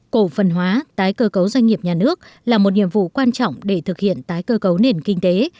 cổ phần hóa tái cơ cấu doanh nghiệp nhà nước là một nhiệm vụ quan trọng để thực hiện tái cơ cấu nền kinh tế